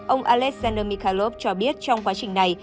ông alexander mikhailov cho biết trong quá trình này